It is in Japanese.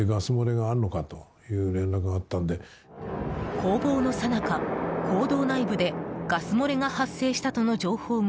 攻防のさなか、講堂内部でガス漏れが発生したとの情報が